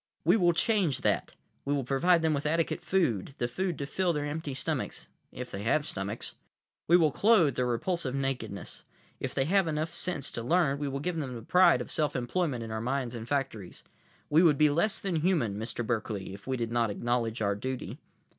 "We will change that. We will provide them with adequate food, the food to fill their empty stomachs—if they have stomachs. We will clothe their repulsive nakedness. If they have enough sense to learn, we will give them the pride of self employment in our mines and factories. We would be less than human, Mr. Berkeley, if we did not acknowledge our duty."